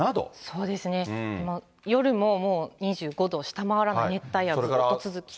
そうですね、夜ももう２５度を下回らない熱帯夜ずっと続きそう。